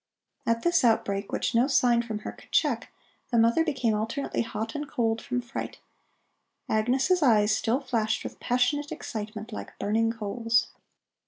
At this outbreak, which no sign from her could check, the mother became alternately hot and cold from fright. Agnes' eyes still flashed with passionate excitement like burning coals.